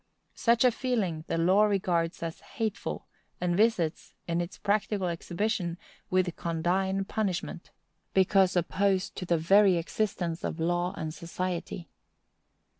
Such a feeling the law regards as hateful, and visits, in its practical exhibition, with condign punishment, because opposed to the very existence of law and society.